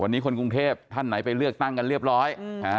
วันนี้คนกรุงเทพท่านไหนไปเลือกตั้งกันเรียบร้อย